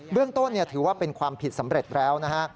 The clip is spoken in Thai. เรื่องต้นถือว่าเป็นความผิดสำเร็จแล้วนะฮะ